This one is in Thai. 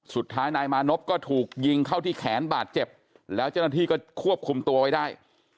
สุดท้ายนายมานพก็ถูกยิงเข้าที่แขนบาดเจ็บแล้วเจ้าหน้าที่ก็ควบคุมตัวไว้ได้